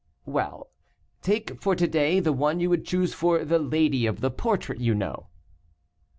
"Well, take for to day the one you would choose for the lady of the portrait you know."